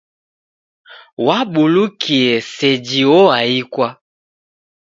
Wabulukie, seji oaikwa!